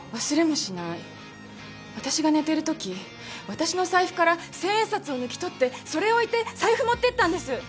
忘れもしない私が寝てるとき私の財布から千円札を抜き取ってそれを置いて財布持ってったんです。